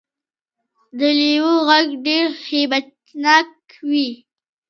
د لیوه غږ ډیر هیبت ناک وي